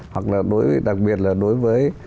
hoặc là đối với đặc biệt là đối với